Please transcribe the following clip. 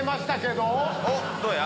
どうや？